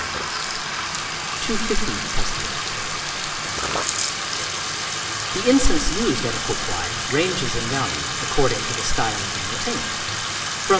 To 50 pastilles The incense used at a Kō kwai ranges in value, according to the style of the entertainment, from $2.